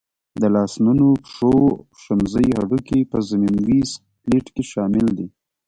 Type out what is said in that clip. د لاسنونو، پښو او شمزۍ هډوکي په ضمیموي سکلېټ کې شامل دي.